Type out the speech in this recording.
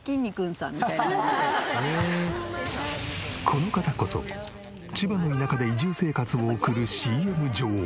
この方こそ千葉の田舎で移住生活を送るＣＭ女王。